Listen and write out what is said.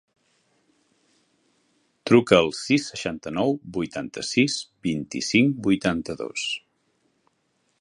Truca al sis, seixanta-nou, vuitanta-sis, vint-i-cinc, vuitanta-dos.